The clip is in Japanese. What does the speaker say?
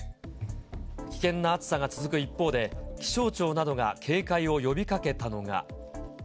危険な暑さが続く一方で、気象庁などが警戒を呼びかけたのが。